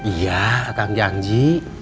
iya akang janji